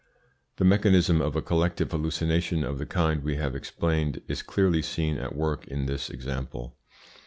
The mechanism of a collective hallucination of the kind we have explained is clearly seen at work in this example.